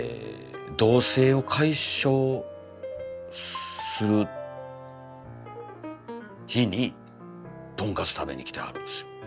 同せいを解消する日にとんかつ食べにきてはるんですよ。